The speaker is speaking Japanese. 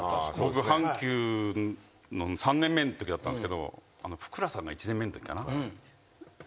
僕阪急の３年目のときだったんすけど福良さんが１年目のときかな？